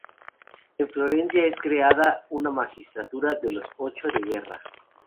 En Florencia es creada una magistratura de los "Ocho de Guerra".